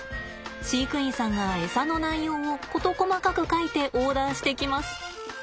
飼育員さんがエサの内容を事細かく書いてオーダーしてきます。